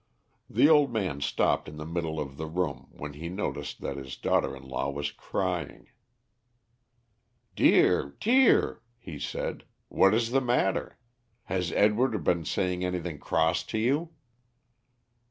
The old man stopped in the middle of the room when he noticed that his daughter in law was crying. "Dear, dear!" he said; "what is the matter? Has Edward been saying anything cross to you?"